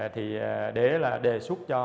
thì để là đề xuất cho